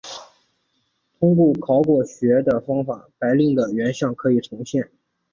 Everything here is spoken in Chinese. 通过考古学的方法白令的原像可以重现。